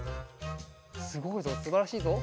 すごいぞすばらしいぞ。